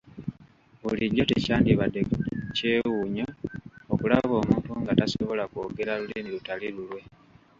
Bulijjo tekyandibadde kyewuunyo okulaba omuntu nga tasobola kwogera lulimi lutali lulwe.